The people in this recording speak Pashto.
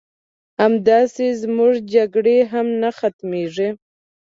همداسې زمونږ جګړې هم نه ختميږي